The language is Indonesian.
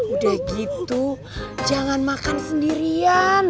udah gitu jangan makan sendirian